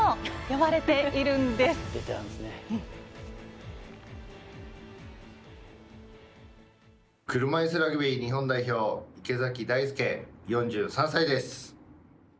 車いすラグビー日本代表池崎大輔４３歳です。